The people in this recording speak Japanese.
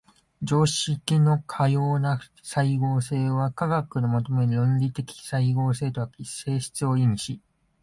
常識のかような斉合性は科学の求める論理的斉合性とは性質を異にし、